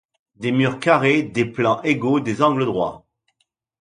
Des murs carrés, des plans égaux, des angles droits ;